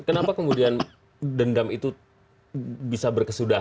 kenapa kemudian dendam itu bisa berkesudah